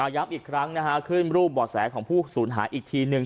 ยับอีกครั้งขึ้นรูปบ่อแสของผู้ศูนย์หาอีกทีหนึ่ง